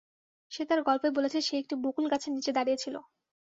সে তার গল্পে বলেছে, সে একটি বকুলগাছের নিচে দাঁড়িয়ে ছিল।